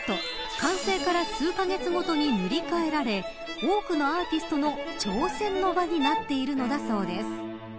完成から数カ月ごとに塗り替えられ多くのアーティストの挑戦の場になっているのだそうです。